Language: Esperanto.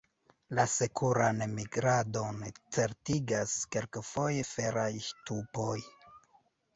La sekuran migradon certigas kelkfoje feraj ŝtupoj.